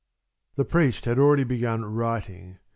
The priest had already begun writing.